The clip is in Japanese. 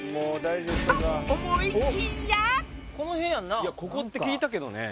・いやここって聞いたけどね。